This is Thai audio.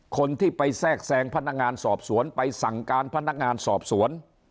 คนที่ไปแทรกแซงพนักงานสอบสวนไปสั่งการพนักงานสอบสวน